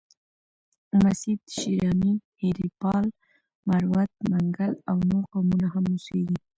مسید، شیراني، هیریپال، مروت، منگل او نور قومونه هم اوسیږي.